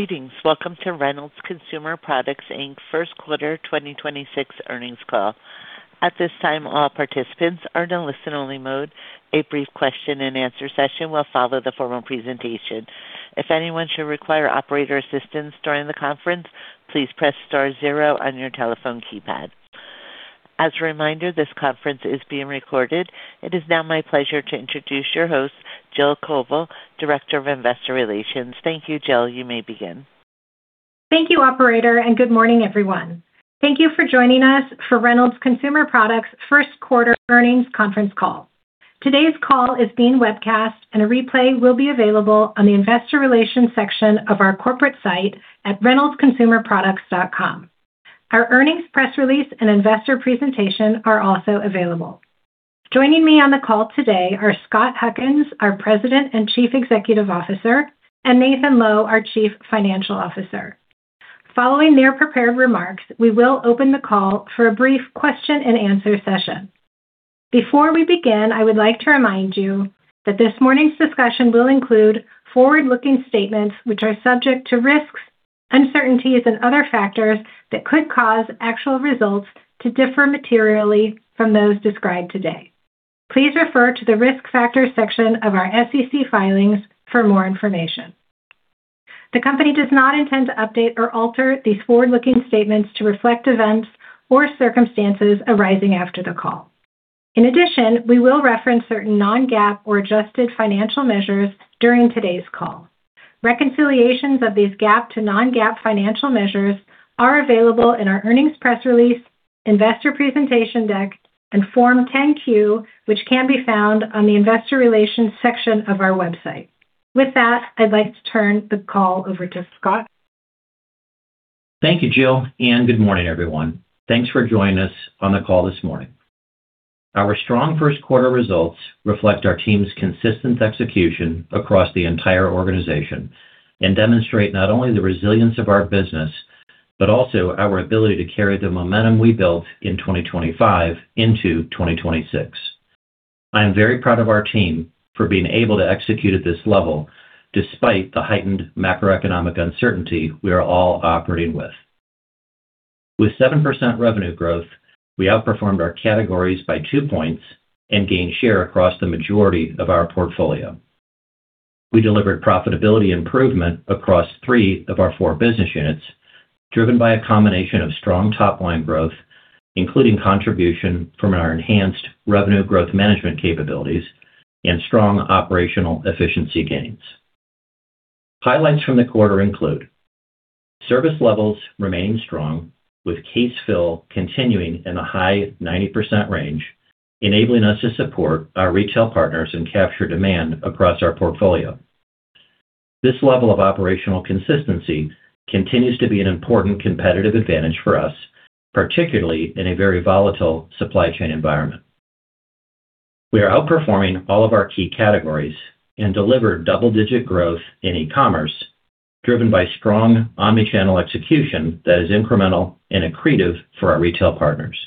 Greetings. Welcome to Reynolds Consumer Products Inc. First Quarter 2026 Earnings Call. At this time, all participants are in a listen-only mode. A brief question and answer session will follow the formal presentation. If anyone should require operator assistance during the conference, please press star zero on your telephone keypad. As a reminder, this conference is being recorded. It is now my pleasure to introduce your host, Jill Koval, Director of Investor Relations. Thank you, Jill. You may begin. Thank you, operator, and good morning, everyone. Thank you for joining us for Reynolds Consumer Products First Quarter Earnings Conference Call. Today's call is being webcast, and a replay will be available on the investor relations section of our corporate site at reynoldsconsumerproducts.com. Our earnings press release and investor presentation are also available. Joining me on the call today are Scott Huckins, our President and Chief Executive Officer, and Nathan Lowe, our Chief Financial Officer. Following their prepared remarks, we will open the call for a brief question and answer session. Before we begin, I would like to remind you that this morning's discussion will include forward-looking statements, which are subject to risks, uncertainties, and other factors that could cause actual results to differ materially from those described today. Please refer to the Risk Factors section of our SEC filings for more information. The company does not intend to update or alter these forward-looking statements to reflect events or circumstances arising after the call. In addition, we will reference certain non-GAAP or adjusted financial measures during today's call. Reconciliations of these GAAP to non-GAAP financial measures are available in our earnings press release, investor presentation deck, and Form 10-Q, which can be found on the investor relations section of our website. With that, I'd like to turn the call over to Scott. Thank you, Jill. Good morning, everyone. Thanks for joining us on the call this morning. Our strong first quarter results reflect our team's consistent execution across the entire organization and demonstrate not only the resilience of our business, but also our ability to carry the momentum we built in 2025 into 2026. I am very proud of our team for being able to execute at this level despite the heightened macroeconomic uncertainty we are all operating with. With 7% revenue growth, we outperformed our categories by two points and gained share across the majority of our portfolio. We delivered profitability improvement across three of our four business units, driven by a combination of strong top-line growth, including contribution from our enhanced revenue growth management capabilities and strong operational efficiency gains. Highlights from the quarter include service levels remaining strong with case fill continuing in the high 90% range, enabling us to support our retail partners and capture demand across our portfolio. This level of operational consistency continues to be an important competitive advantage for us, particularly in a very volatile supply chain environment. We are outperforming all of our key categories and delivered double-digit growth in e-commerce, driven by strong omni-channel execution that is incremental and accretive for our retail partners.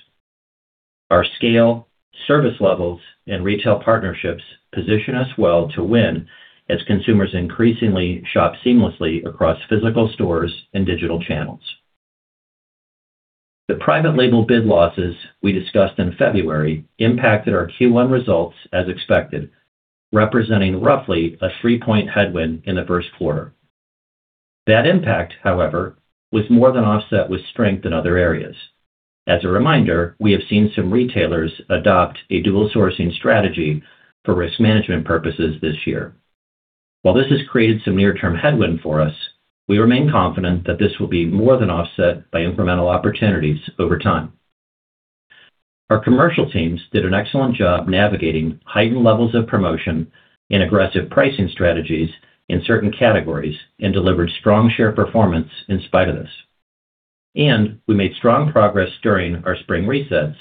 Our scale, service levels, and retail partnerships position us well to win as consumers increasingly shop seamlessly across physical stores and digital channels. The private label bid losses we discussed in February impacted our Q1 results as expected, representing roughly a 3-point headwind in the first quarter. That impact, however, was more than offset with strength in other areas. As a reminder, we have seen some retailers adopt a dual-sourcing strategy for risk management purposes this year. While this has created some near-term headwind for us, we remain confident that this will be more than offset by incremental opportunities over time. Our commercial teams did an excellent job navigating heightened levels of promotion and aggressive pricing strategies in certain categories and delivered strong share performance in spite of this. We made strong progress during our spring resets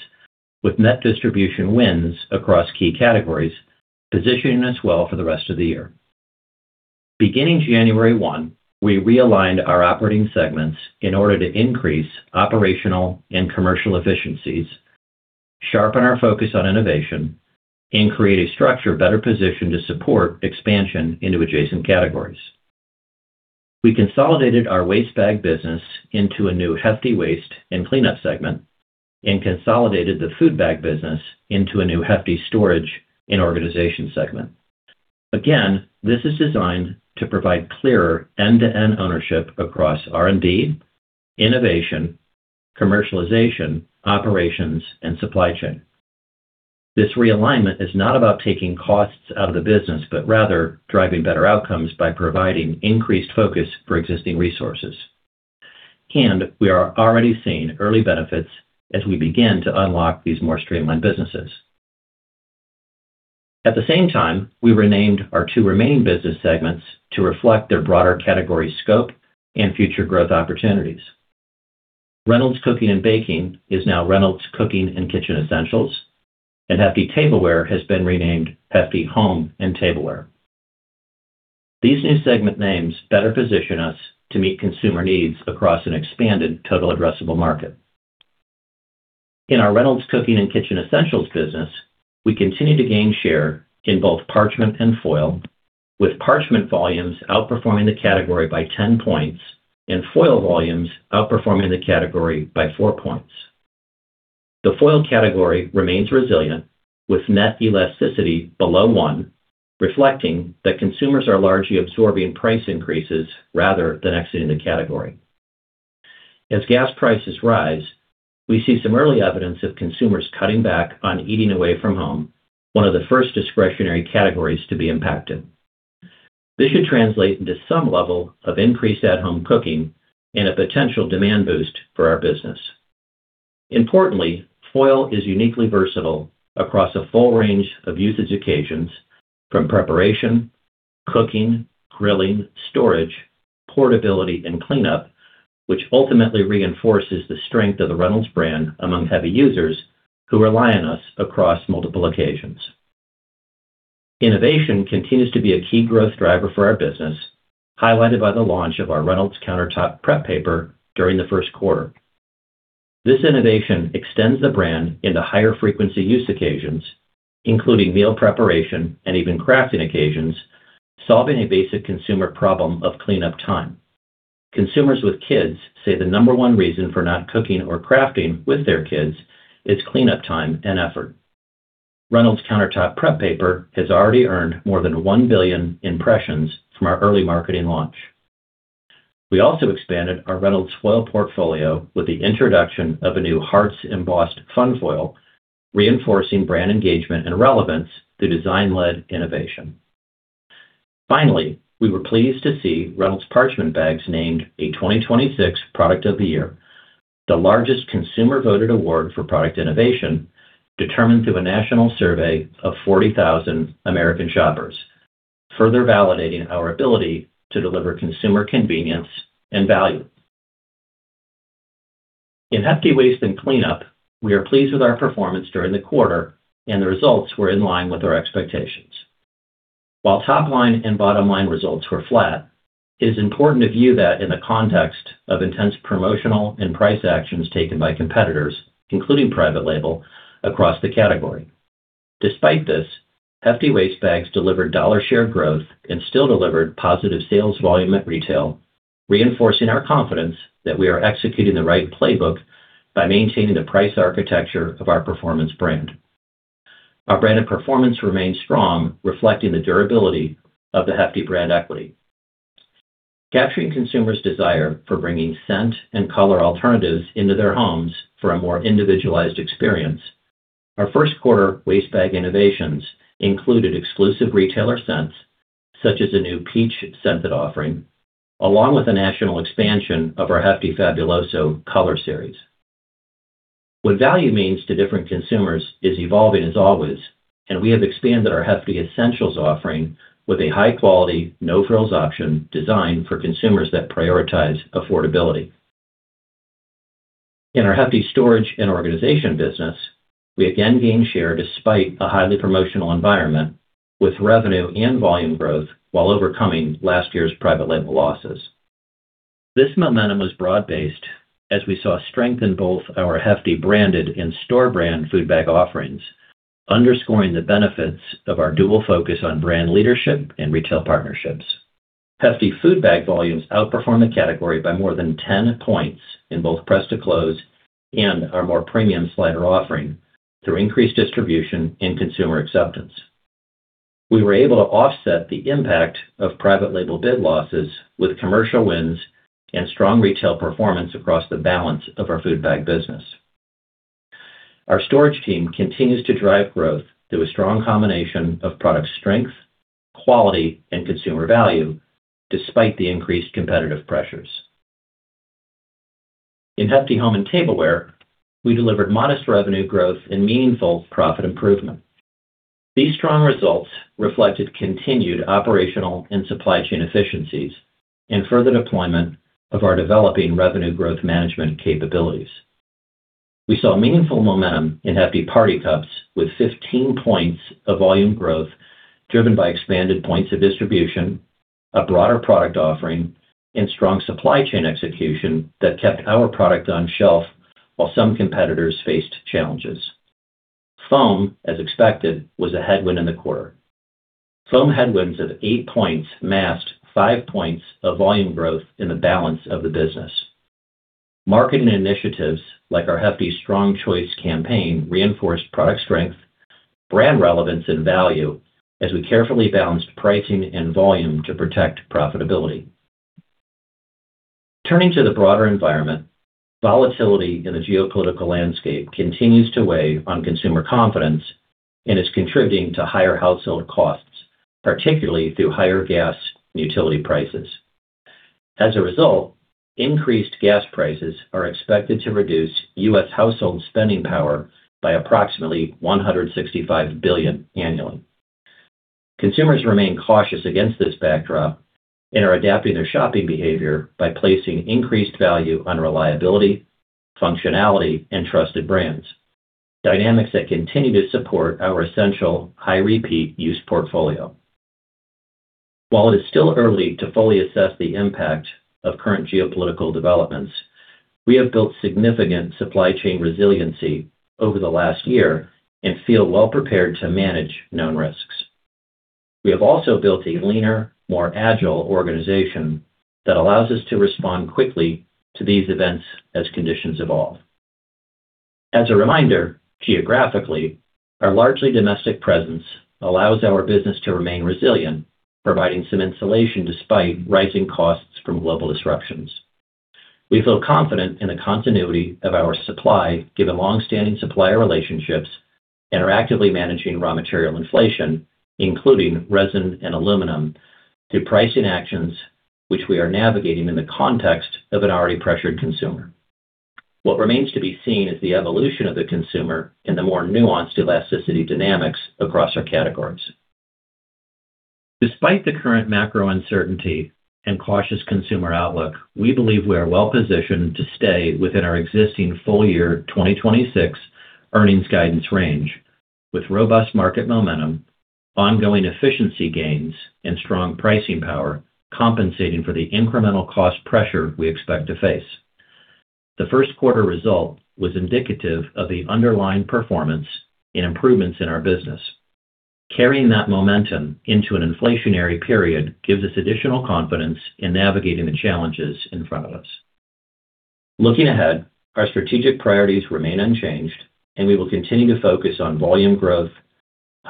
with net distribution wins across key categories, positioning us well for the rest of the year. Beginning 1 January, we realigned our operating segments in order to increase operational and commercial efficiencies, sharpen our focus on innovation, and create a structure better positioned to support expansion into adjacent categories. We consolidated our waste bag business into a new Hefty Waste & Clean-Up segment and consolidated the food bag business into a new Hefty Storage & Organization segment. Again, this is designed to provide clearer end-to-end ownership across R&D, innovation, commercialization, operations, and supply chain. This realignment is not about taking costs out of the business, but rather driving better outcomes by providing increased focus for existing resources. We are already seeing early benefits as we begin to unlock these more streamlined businesses. At the same time, we renamed our two remaining business segments to reflect their broader category scope and future growth opportunities. Reynolds Cooking & Baking is now Reynolds Cooking & Kitchen Essentials, and Hefty Tableware has been renamed Hefty Home & Tableware. These new segment names better position us to meet consumer needs across an expanded total addressable market. In our Reynolds Cooking & Kitchen Essentials business, we continue to gain share in both parchment and foil, with parchment volumes outperforming the category by 10 points and foil volumes outperforming the category by four points. The foil category remains resilient with net elasticity below one, reflecting that consumers are largely absorbing price increases rather than exiting the category. As gas prices rise, we see some early evidence of consumers cutting back on eating away from home, one of the first discretionary categories to be impacted. This should translate into some level of increased at-home cooking and a potential demand boost for our business. Importantly, foil is uniquely versatile across a full range of usage occasions from preparation, cooking, grilling, storage, portability and cleanup, which ultimately reinforces the strength of the Reynolds brand among heavy users who rely on us across multiple occasions. Innovation continues to be a key growth driver for our business, highlighted by the launch of our Reynolds Kitchens Countertop Prep Paper during the first quarter. This innovation extends the brand into higher frequency use occasions, including meal preparation and even crafting occasions, solving a basic consumer problem of cleanup time. Consumers with kids say the number one reason for not cooking or crafting with their kids is cleanup time and effort. Reynolds Kitchens Countertop Prep Paper has already earned more than 1 billion impressions from our early marketing launch. We also expanded our Reynolds Foil portfolio with the introduction of a new hearts embossed fun foil, reinforcing brand engagement and relevance through design-led innovation. Finally, we were pleased to see Reynolds Kitchens Parchment Cooking Bags named a 2026 Product of the Year, the largest consumer voted award for product innovation, determined through a national survey of 40,000 American shoppers, further validating our ability to deliver consumer convenience and value. In Hefty Waste & Clean-Up, we are pleased with our performance during the quarter and the results were in line with our expectations. While top line and bottom line results were flat, it is important to view that in the context of intense promotional and price actions taken by competitors, including private label, across the category. Despite this, Hefty Waste Bags delivered dollar share growth and still delivered positive sales volume at retail, reinforcing our confidence that we are executing the right playbook by maintaining the price architecture of our performance brand. Our brand and performance remains strong, reflecting the durability of the Hefty brand equity. Capturing consumers' desire for bringing scent and color alternatives into their homes for a more individualized experience, our first quarter waste bag innovations included exclusive retailer scents, such as a new peach scented offering, along with a national expansion of our Hefty Fabuloso color series. What value means to different consumers is evolving as always, we have expanded our Hefty Essentials offering with a high quality, no-frills option designed for consumers that prioritize affordability. In our Hefty Storage & Organization business, we again gained share despite a highly promotional environment with revenue and volume growth while overcoming last year's private label losses. This momentum was broad-based as we saw strength in both our Hefty branded and store brand food bag offerings, underscoring the benefits of our dual focus on brand leadership and retail partnerships. Hefty food bag volumes outperformed the category by more than 10 points in both Press to Close and our more premium slider offering through increased distribution and consumer acceptance. We were able to offset the impact of private label bid losses with commercial wins and strong retail performance across the balance of our food bag business. Our storage team continues to drive growth through a strong combination of product strength, quality and consumer value despite the increased competitive pressures. In Hefty Home & Tableware, we delivered modest revenue growth and meaningful profit improvement. These strong results reflected continued operational and supply chain efficiencies and further deployment of our developing revenue growth management capabilities. We saw meaningful momentum in Hefty party cups with 15 points of volume growth driven by expanded points of distribution, a broader product offering and strong supply chain execution that kept our product on shelf while some competitors faced challenges. Foam, as expected, was a headwind in the quarter. Foam headwinds of eight points masked five points of volume growth in the balance of the business. Marketing initiatives like our Hefty Strong Choice campaign reinforced product strength, brand relevance and value as we carefully balanced pricing and volume to protect profitability. Turning to the broader environment, volatility in the geopolitical landscape continues to weigh on consumer confidence and is contributing to higher household costs, particularly through higher gas and utility prices. As a result, increased gas prices are expected to reduce U.S. household spending power by approximately $165 billion annually. Consumers remain cautious against this backdrop and are adapting their shopping behavior by placing increased value on reliability, functionality and trusted brands, dynamics that continue to support our essential high repeat use portfolio. While it is still early to fully assess the impact of current geopolitical developments, we have built significant supply chain resiliency over the last year and feel well prepared to manage known risks. We have also built a leaner, more agile organization that allows us to respond quickly to these events as conditions evolve. As a reminder, geographically, our largely domestic presence allows our business to remain resilient, providing some insulation despite rising costs from global disruptions. We feel confident in the continuity of our supply given long-standing supplier relationships and are actively managing raw material inflation, including resin and aluminum, through pricing actions which we are navigating in the context of an already pressured consumer. What remains to be seen is the evolution of the consumer and the more nuanced elasticity dynamics across our categories. Despite the current macro uncertainty and cautious consumer outlook, we believe we are well-positioned to stay within our existing full-year 2026 earnings guidance range with robust market momentum, ongoing efficiency gains, and strong pricing power compensating for the incremental cost pressure we expect to face. The first quarter result was indicative of the underlying performance and improvements in our business. Carrying that momentum into an inflationary period gives us additional confidence in navigating the challenges in front of us. Looking ahead, our strategic priorities remain unchanged, and we will continue to focus on volume growth,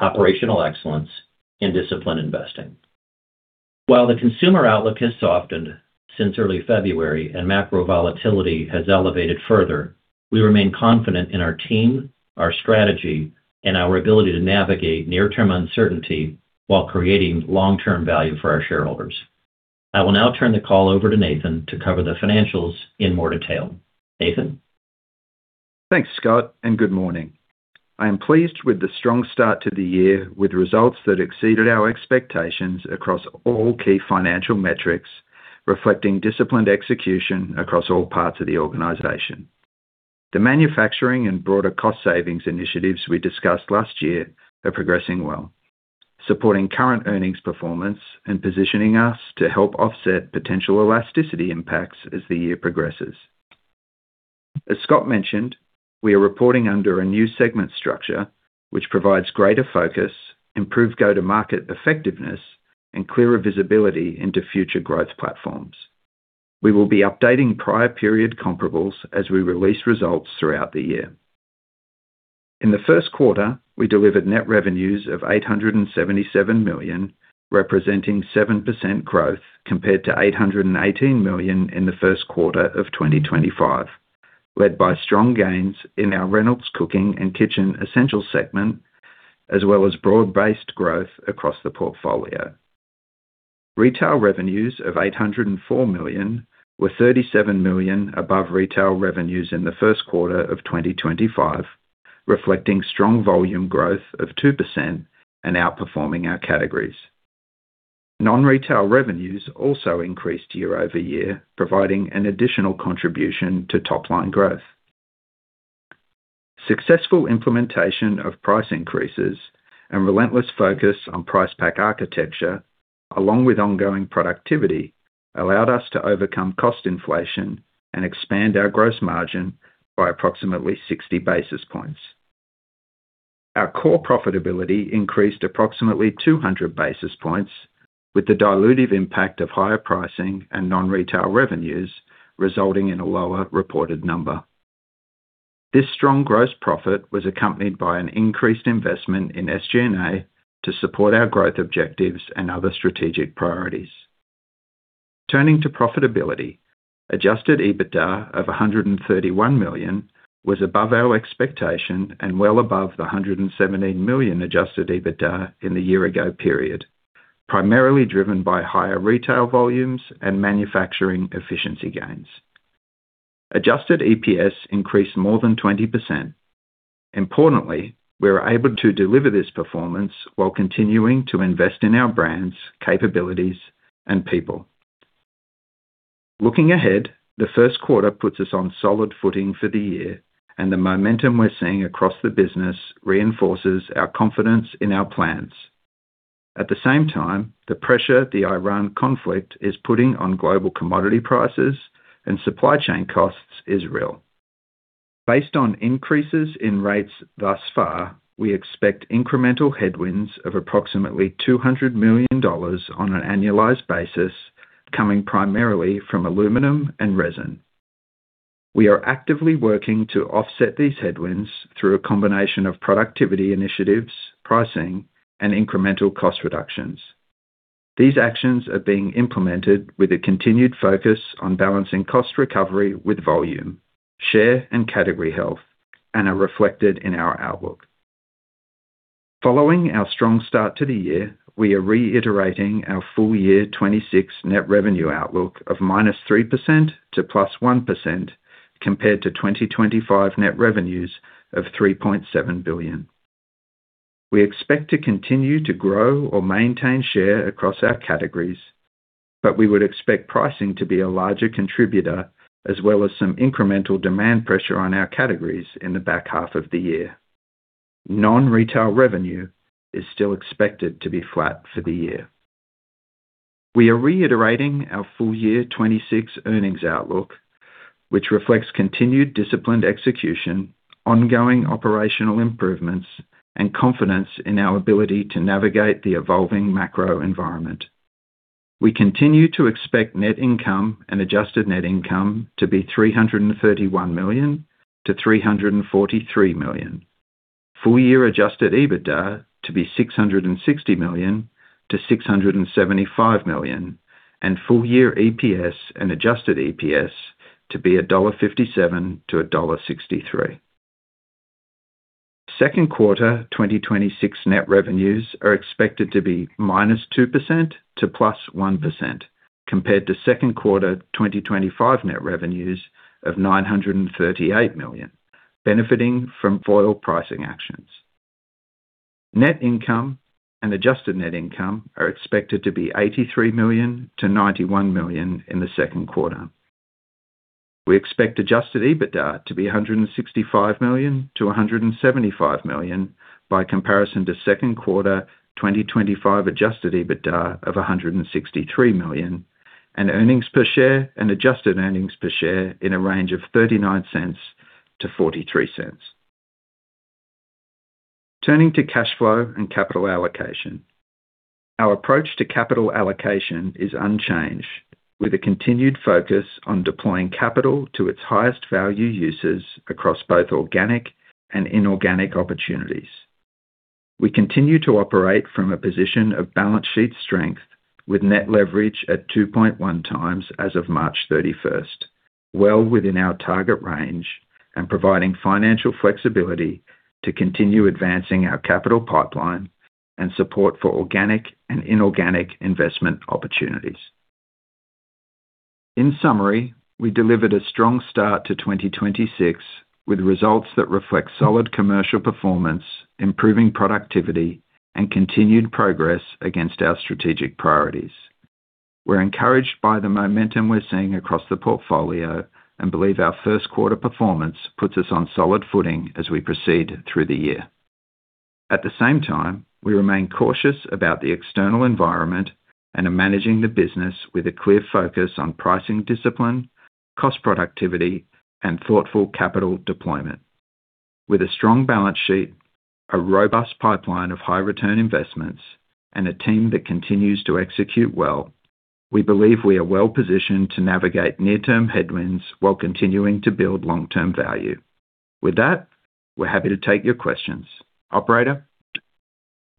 operational excellence, and disciplined investing. While the consumer outlook has softened since early February and macro volatility has elevated further, we remain confident in our team, our strategy, and our ability to navigate near-term uncertainty while creating long-term value for our shareholders. I will now turn the call over to Nathan to cover the financials in more detail. Nathan? Thanks, Scott. Good morning. I am pleased with the strong start to the year with results that exceeded our expectations across all key financial metrics, reflecting disciplined execution across all parts of the organization. The manufacturing and broader cost savings initiatives we discussed last year are progressing well, supporting current earnings performance and positioning us to help offset potential elasticity impacts as the year progresses. As Scott mentioned, we are reporting under a new segment structure, which provides greater focus, improved go-to-market effectiveness, and clearer visibility into future growth platforms. We will be updating prior period comparables as we release results throughout the year. In the first quarter, we delivered net revenues of $877 million, representing 7% growth compared to $818 million in the first quarter of 2025, led by strong gains in our Reynolds Cooking & Kitchen Essentials segment, as well as broad-based growth across the portfolio. Retail revenues of $804 million were $37 million above retail revenues in the first quarter of 2025, reflecting strong volume growth of 2% and outperforming our categories. Non-retail revenues also increased year-over-year, providing an additional contribution to top-line growth. Successful implementation of price increases and relentless focus on price pack architecture, along with ongoing productivity, allowed us to overcome cost inflation and expand our gross margin by approximately 60 basis points. Our core profitability increased approximately 200 basis points, with the dilutive impact of higher pricing and non-retail revenues resulting in a lower reported number. This strong gross profit was accompanied by an increased investment in SG&A to support our growth objectives and other strategic priorities. Turning to profitability, Adjusted EBITDA of $131 million was above our expectation and well above the $117 million Adjusted EBITDA in the year-ago period, primarily driven by higher retail volumes and manufacturing efficiency gains. Adjusted EPS increased more than 20%. Importantly, we were able to deliver this performance while continuing to invest in our brands, capabilities, and people. Looking ahead, the first quarter puts us on solid footing for the year, and the momentum we're seeing across the business reinforces our confidence in our plans. At the same time, the pressure the Iran conflict is putting on global commodity prices and supply chain costs is real. Based on increases in rates thus far, we expect incremental headwinds of approximately $200 million on an annualized basis coming primarily from aluminum and resin. We are actively working to offset these headwinds through a combination of productivity initiatives, pricing, and incremental cost reductions. These actions are being implemented with a continued focus on balancing cost recovery with volume, share, and category health, and are reflected in our outlook. Following our strong start to the year, we are reiterating our full-year 2026 net revenue outlook of -3% to +1% compared to 2025 net revenues of $3.7 billion. We expect to continue to grow or maintain share across our categories, but we would expect pricing to be a larger contributor as well as some incremental demand pressure on our categories in the back half of the year. Non-retail revenue is still expected to be flat for the year. We are reiterating our full-year 2026 earnings outlook, which reflects continued disciplined execution, ongoing operational improvements, and confidence in our ability to navigate the evolving macro environment. We continue to expect net income and adjusted net income to be $331 million to $343 million. Full year Adjusted EBITDA to be $660 million to $675 million. Full year EPS and Adjusted EPS to be $1.57-$1.63. Second quarter 2026 net revenues are expected to be -2% to +1% compared to second quarter 2025 net revenues of $938 million, benefiting from foil pricing actions. Net income and Adjusted Net Income are expected to be $83 million to $91 million in the second quarter. We expect Adjusted EBITDA to be $165 million to $175 million by comparison to second quarter 2025 Adjusted EBITDA of $163 million. EPS and Adjusted EPS in a range of $0.39-$0.43. Turning to cash flow and capital allocation. Our approach to capital allocation is unchanged, with a continued focus on deploying capital to its highest value uses across both organic and inorganic opportunities. We continue to operate from a position of balance sheet strength with net leverage at 2.1x as of 31st March, well within our target range and providing financial flexibility to continue advancing our capital pipeline and support for organic and inorganic investment opportunities. In summary, we delivered a strong start to 2026, with results that reflect solid commercial performance, improving productivity and continued progress against our strategic priorities. We're encouraged by the momentum we're seeing across the portfolio and believe our first quarter performance puts us on solid footing as we proceed through the year. At the same time, we remain cautious about the external environment and are managing the business with a clear focus on pricing discipline, cost productivity, and thoughtful capital deployment. With a strong balance sheet, a robust pipeline of high return investments, and a team that continues to execute well, we believe we are well-positioned to navigate near-term headwinds while continuing to build long-term value. With that, we're happy to take your questions. Operator.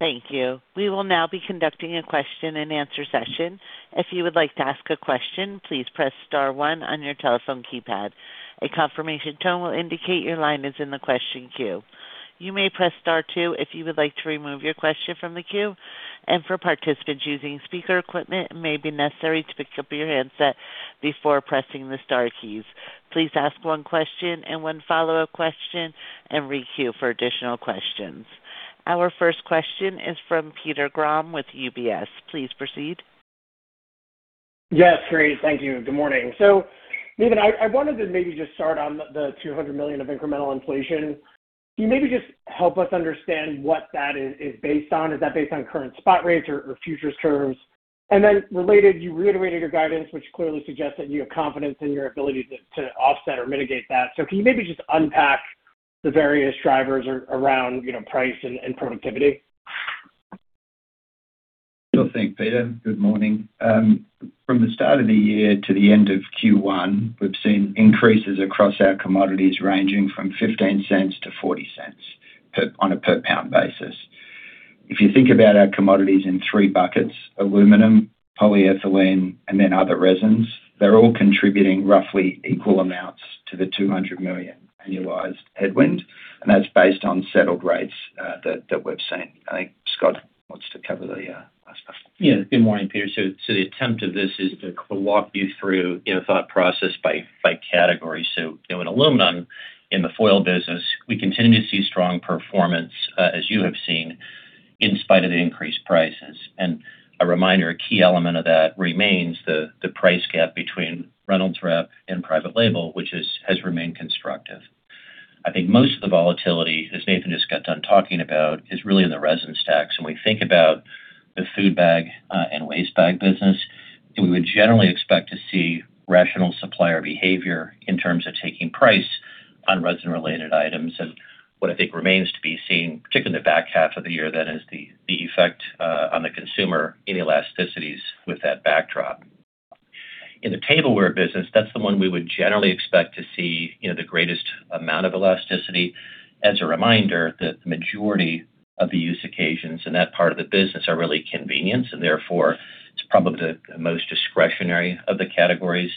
Thank you. We will now be conducting a question-and-answer session. If you would like to ask a question, please press star one on your telephone keypad. A confirmation tone will indicate your line is in the question queue. You may press star two if you would like to remove your question from the queue. For participants using speaker equipment, it may be necessary to pick up your handset before pressing the star keys. Please ask one question and one follow-up question and re-queue for additional questions. Our first question is from Peter Grom with UBS. Please proceed. Yes. Great. Thank you. Good morning. Nathan, I wanted to maybe just start on the $200 million of incremental inflation. Can you maybe just help us understand what that is based on? Is that based on current spot rates or futures terms? Related, you reiterated your guidance, which clearly suggests that you have confidence in your ability to offset or mitigate that. Can you maybe just unpack the various drivers around, you know, price and productivity? Sure thing, Peter. Good morning. From the start of the year to the end of Q1, we've seen increases across our commodities ranging from $0.15 to $0.40 on a per pound basis. If you think about our commodities in 3 buckets: aluminum, polyethylene, and then other resins, they're all contributing roughly equal amounts to the $200 million annualized headwind, and that's based on settled rates that we've seen. I think Scott wants to cover the last part. Yeah. Good morning, Peter. The attempt of this is to walk you through, you know, thought process by category. You know, in aluminum, in the foil business, we continue to see strong performance, as you have seen, in spite of the increased prices. A reminder, a key element of that remains the price gap between Reynolds Wrap and private label, which has remained constructive. I think most of the volatility, as Nathan just got done talking about, is really in the resin stacks. When we think about the food bag and waste bag business, we would generally expect to see rational supplier behavior in terms of taking price on resin related items. What I think remains to be seen, particularly in the back half of the year then, is the effect on the consumer inelasticities with that backdrop. In the tableware business, that's the one we would generally expect to see, you know, the greatest amount of elasticity. As a reminder, the majority of the use occasions in that part of the business are really convenience, and therefore it's probably the most discretionary of the categories.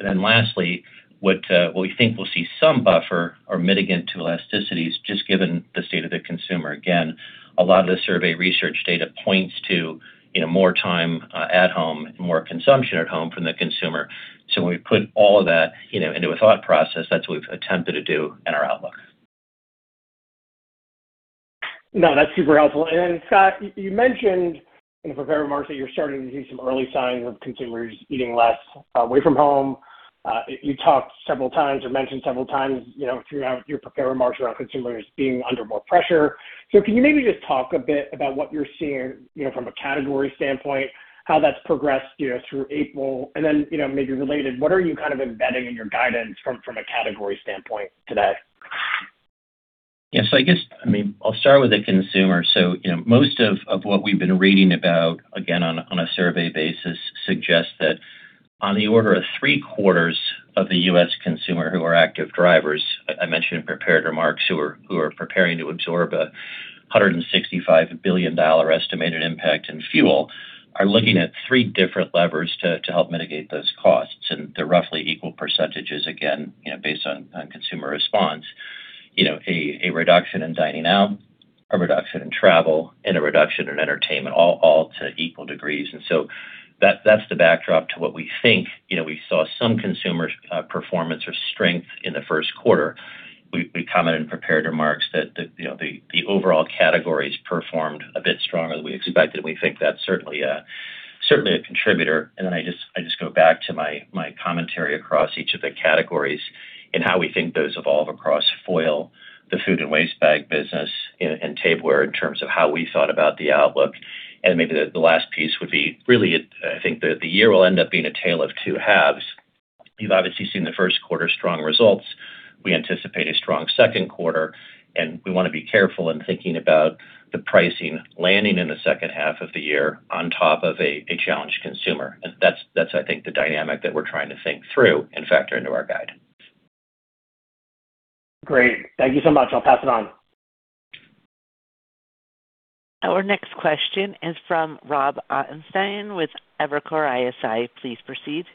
Lastly, what we think we'll see some buffer or mitigant to elasticities just given the state of the consumer. Again, a lot of the survey research data points to, you know, more time at home and more consumption at home from the consumer. When we put all of that, you know, into a thought process, that's what we've attempted to do in our outlook. No, that's super helpful. Scott, you mentioned in prepared remarks that you're starting to see some early signs of consumers eating less away from home. You talked several times or mentioned several times, you know, throughout your prepared remarks around consumers being under more pressure. Can you maybe just talk a bit about what you're seeing, you know, from a category standpoint, how that's progressed, you know, through April, and then, you know, maybe related, what are you kind of embedding in your guidance from a category standpoint today? I guess, I mean, I'll start with the consumer. You know, most of what we've been reading about, again, on a survey basis suggests that on the order of three-quarters of the U.S. consumer who are active drivers, I mentioned in prepared remarks, who are preparing to absorb a $165 billion estimated impact in fuel, are looking at three different levers to help mitigate those costs. They're roughly equal percentages, again, you know, based on consumer response. You know, a reduction in dining out, a reduction in travel, and a reduction in entertainment, all to equal degrees. That's the backdrop to what we think. You know, we saw some consumer performance or strength in the first quarter. We commented in prepared remarks that the overall categories performed a bit stronger than we expected, and we think that's certainly a contributor. I just go back to my commentary across each of the categories and how we think those evolve across foil, the food and waste bag business, and tableware in terms of how we thought about the outlook. Maybe the last piece would be really, I think the year will end up being a tale of two halves. You've obviously seen the first quarter strong results. We anticipate a strong second quarter, and we wanna be careful in thinking about the pricing landing in the second half of the year on top of a challenged consumer. That's I think the dynamic that we're trying to think through and factor into our guide. Great. Thank you so much. I'll pass it on. Our next question is from Robert Ottenstein with Evercore ISI. Please proceed.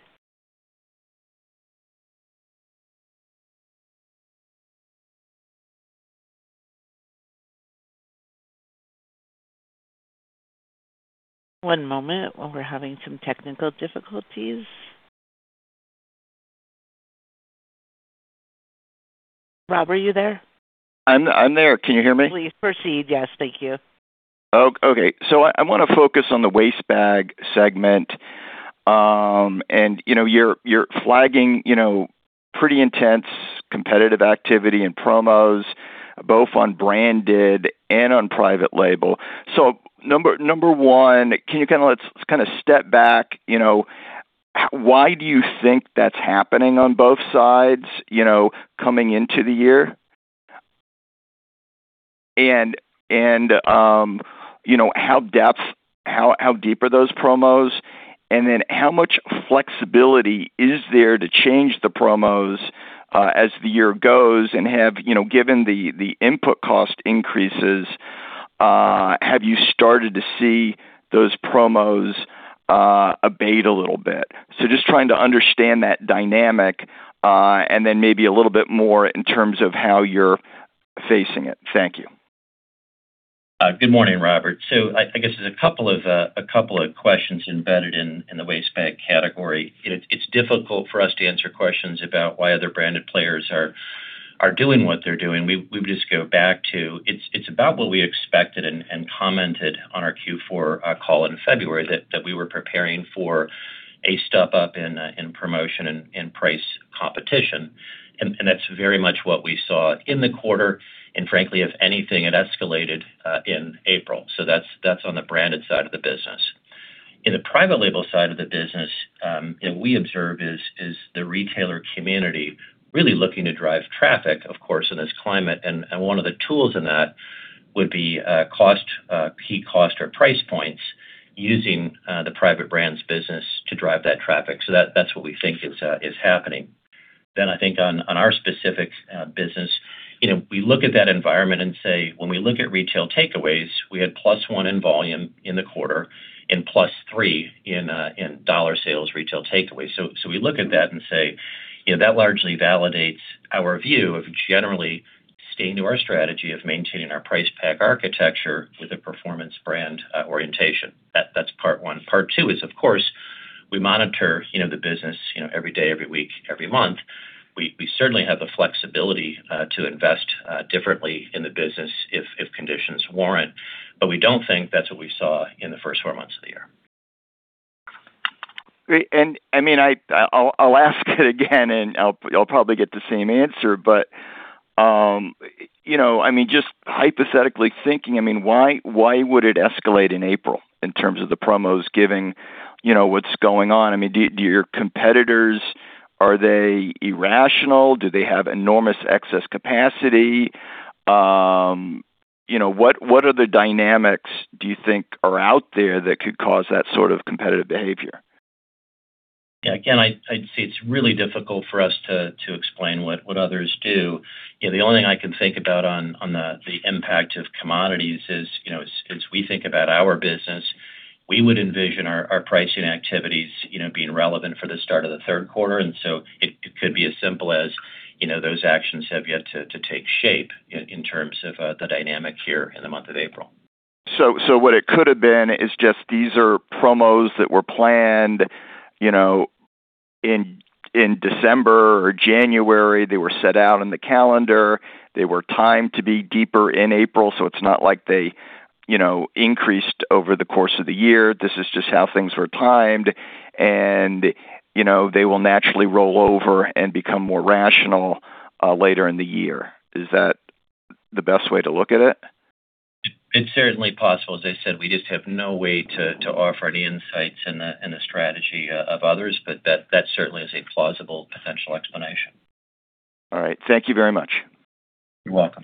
One moment while we're having some technical difficulties. Rob, are you there? I'm there. Can you hear me? Please proceed. Yes. Thank you. Okay. I want to focus on the waste bag segment. And you know, you're flagging, you know, pretty intense competitive activity and promos both on branded and on private label. Number one, can you kind of step back, you know, why do you think that's happening on both sides, you know, coming into the year? And you know, how deep are those promos? Then how much flexibility is there to change the promos as the year goes and have, you know, given the input cost increases, have you started to see those promos abate a little bit? Just trying to understand that dynamic, and then maybe a little bit more in terms of how you're facing it. Thank you. Good morning, Robert. I guess there's a couple of questions embedded in the waste bag category. It's difficult for us to answer questions about why other branded players are doing what they're doing. We would just go back to it's about what we expected and commented on our Q4 call in February that we were preparing for a step up in promotion and price competition. That's very much what we saw in the quarter. Frankly, if anything, it escalated in April. That's on the branded side of the business. In the private label side of the business, we observe is the retailer community really looking to drive traffic, of course, in this climate, one of the tools in that would be cost, key cost or price points using the private brands business to drive that traffic. That, that's what we think is happening. I think on our specific business, you know, we look at that environment and say, when we look at retail takeaways, we had plus one in volume in the quarter and plus three in dollar sales retail takeaway. We look at that and say, you know, that largely validates our view of generally staying to our strategy of maintaining our price pack architecture with a performance brand orientation. That, that's part one. Part two is, of course, we monitor, you know, the business, you know, every day, every week, every month. We certainly have the flexibility to invest differently in the business if conditions warrant, but we don't think that's what we saw in the first four months of the year. Great. I mean, I'll, I'll ask it again, and I'll probably get the same answer, but, you know, I mean, just hypothetically thinking, I mean, why would it escalate in April in terms of the promos given, you know, what's going on? I mean, do your competitors, are they irrational? Do they have enormous excess capacity? You know, what other dynamics do you think are out there that could cause that sort of competitive behavior? Yeah. I'd say it's really difficult for us to explain what others do. You know, the only thing I can think about on the impact of commodities is, you know, as we think about our business, we would envision our pricing activities, you know, being relevant for the start of the third quarter. It could be as simple as, you know, those actions have yet to take shape in terms of the dynamic here in the month of April. What it could have been is just these are promos that were planned, you know, in December or January, they were set out in the calendar. They were timed to be deeper in April, so it's not like they, you know, increased over the course of the year. This is just how things were timed. You know, they will naturally roll over and become more rational later in the year. Is that the best way to look at it? It's certainly possible. As I said, we just have no way to offer any insights in the strategy of others. That certainly is a plausible potential explanation. All right. Thank you very much. You're welcome.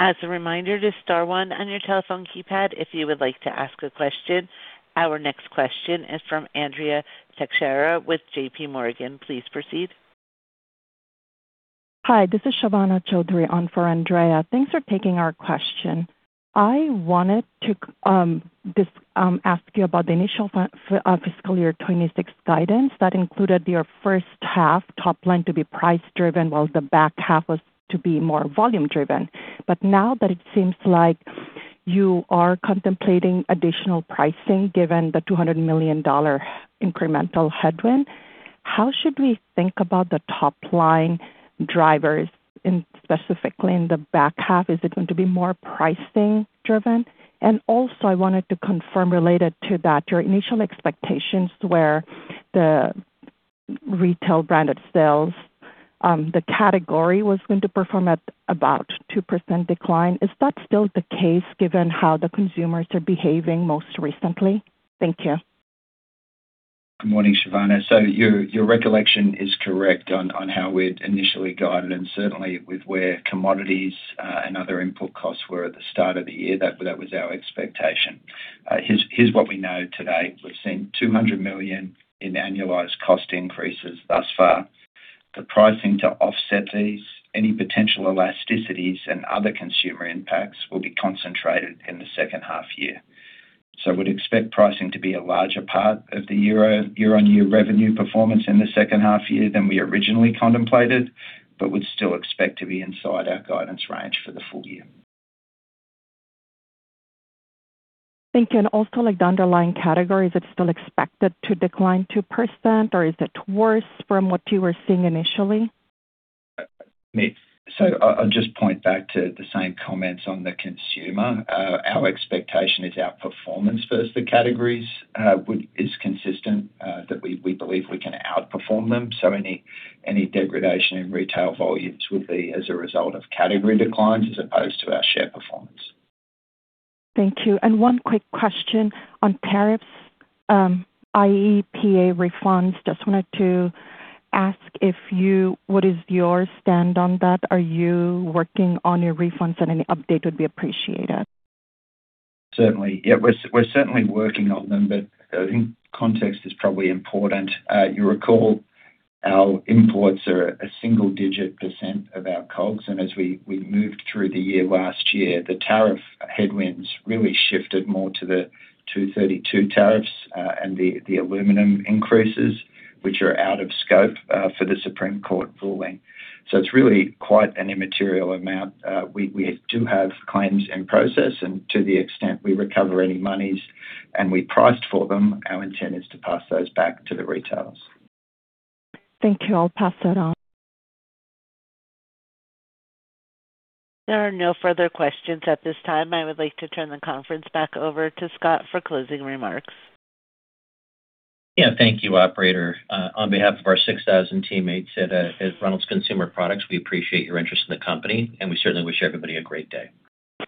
As a reminder to star one on your telephone keypad if you would like to ask a question. Our next question is from Andrea Teixeira with JPMorgan. Please proceed. Hi, this is Shavana Chowdhury on for Andrea. Thanks for taking our question. I wanted to ask you about the initial fiscal year 2026 guidance that included your first half top line to be price driven while the back half was to be more volume driven. Now that it seems like you are contemplating additional pricing given the $200 million incremental headwind, how should we think about the top line drivers in, specifically in the back half? Is it going to be more pricing driven? Also, I wanted to confirm related to that your initial expectations where the retail branded sales, the category was going to perform at about 2% decline. Is that still the case given how the consumers are behaving most recently? Thank you. Good morning, Shavana. Your recollection is correct on how we'd initially guided and certainly with where commodities and other input costs were at the start of the year. That was our expectation. Here's what we know today. We've seen $200 million in annualized cost increases thus far. The pricing to offset these, any potential elasticities and other consumer impacts will be concentrated in the second half year. We'd expect pricing to be a larger part of the year-on-year revenue performance in the second half year than we originally contemplated, but we still expect to be inside our guidance range for the full-year. Thank you. Also like the underlying category, is it still expected to decline 2% or is it worse from what you were seeing initially? I'll just point back to the same comments on the consumer. Our expectation is our performance versus the categories is consistent that we believe we can outperform them. Any degradation in retail volumes would be as a result of category declines as opposed to our share performance. Thank you. One quick question on tariffs, i.e., APA refunds. Just wanted to ask what is your stand on that? Are you working on your refunds and any update would be appreciated. Certainly. Yeah, we're certainly working on them. I think context is probably important. You recall our imports are a 1 digit % of our COGS, as we moved through the year last year, the tariff headwinds really shifted more to the Section 232 tariffs, and the aluminum increases, which are out of scope for the Supreme Court ruling. It's really quite an immaterial amount. We do have claims in process to the extent we recover any monies and we priced for them, our intent is to pass those back to the retailers. Thank you. I'll pass that on. There are no further questions at this time. I would like to turn the conference back over to Scott for closing remarks. Yeah, thank you, operator. On behalf of our 6,000 teammates at Reynolds Consumer Products, we appreciate your interest in the company, and we certainly wish everybody a great day.